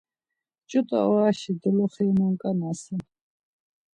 Ç̌ut̆a oraşi doloxe imonǩanasen.